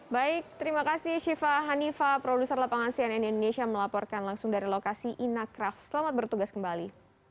baik terima kasih syifa hanifa produser lapangan cnn indonesia melaporkan langsung dari lokasi inacraf selamat bertugas kembali